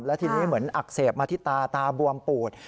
แล้วทีนี้เหมือนอักเสบมาที่ตาตาบวมปูด